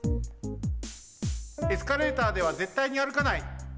エスカレーターではぜったいに歩かない。